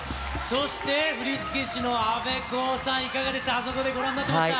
そして振付師のアベコーさん、いかがでした？